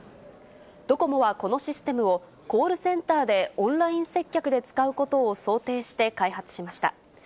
ドコモはこのシステムを、コールセンターでオンライン接客で使うことを想定して開発しました。